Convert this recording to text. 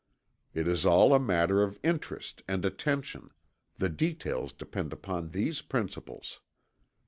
It is all a matter of interest and attention the details depend upon these principles.